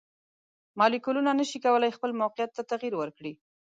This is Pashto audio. مالیکولونه نشي کولی خپل موقیعت ته تغیر ورکړي.